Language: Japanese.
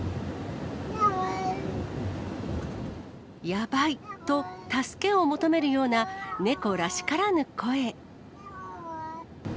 やばいと助けを求めるような、猫らしからぬ声。